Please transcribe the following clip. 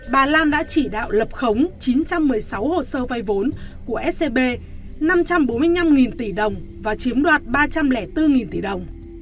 bà lan đã chỉ đạo lập khống chín trăm một mươi sáu hồ sơ vay vốn của scb năm trăm bốn mươi năm tỷ đồng và chiếm đoạt ba trăm linh bốn tỷ đồng